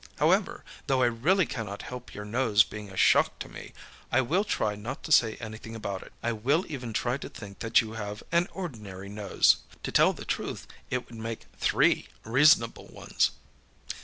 However, though I really cannot help your nose being a shock to me, I will try not to say anything about it. I will even try to think that you have an ordinary nose. To tell the truth, it would make three reasonable ones.